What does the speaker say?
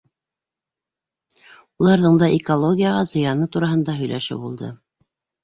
Уларҙың да экологияға зыяны тураһында һөйләшеү булды.